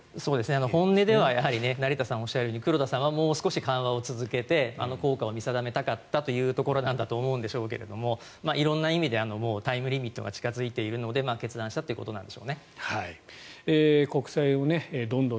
本音では成田さんがおっしゃるとおり黒田さんはもう少し緩和を続けて効果を見定めたかったというところだと思うんですが色んな意味でもうタイムリミットが日銀が事実上の利上げということを表明しました。